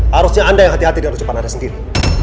harusnya anda yang hati hati dengan ucapan anda sendiri